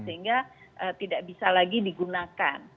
sehingga tidak bisa lagi digunakan